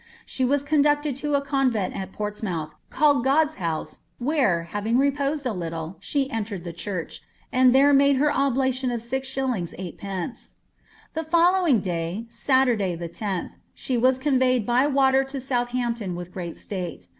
She was conducted to a convent at P«>rtsmouth, called Ginlde's House, where, having reposed a little, she entered the church, and there made her oblation of 6s. Sd, The followintr duv, Saturday, 10th, she was conveyed by water to Southampton with great stale.